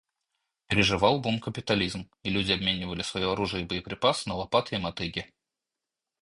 Переживал бум капитализм, и люди обменивали свое оружие и боеприпасы на лопаты и мотыги.